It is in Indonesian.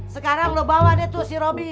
sekarang lo bawa deh tuh si robby